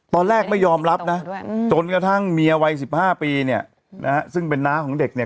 ตอนแรกไม่ยอมรับนะจนกระทั่งเมียวัย๑๕ปีเนี่ยนะฮะซึ่งเป็นน้าของเด็กเนี่ย